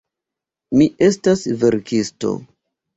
Mi estas verkisto.